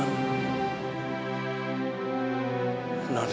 nanti aku akan beritahu papa